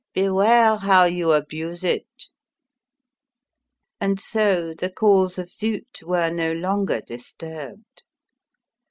"Beware how you abuse it!" And so the calls of Zut were no longer disturbed.